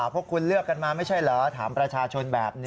พวกคุณเลือกกันมาไม่ใช่เหรอถามประชาชนแบบนี้